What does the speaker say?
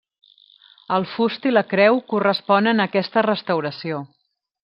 El fust i la creu corresponen a aquesta restauració.